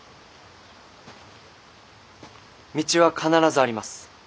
道は必ずあります。